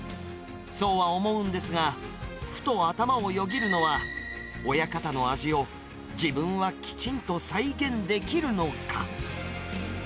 そうは思うんですが、ふと、頭をよぎるのは、親方の味を自分はきちんと再現できるのか。